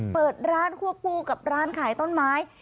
เปิดร้านควบคู่กับร้านขายต้นไม้